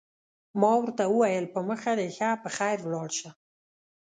ما ورته وویل: په مخه دې ښه، په خیر ولاړ شه.